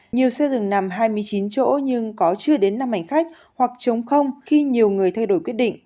nhiều xe dừng nằm hai mươi chín chỗ nhưng có chưa đến năm hành khách hoặc chống không khi nhiều người thay đổi quyết định